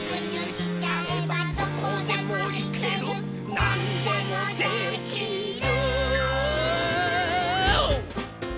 「なんでもできる！！！」